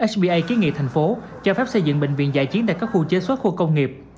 spa kiến nghị thành phố cho phép xây dựng bệnh viện giải chiến tại các khu chế xuất khu công nghiệp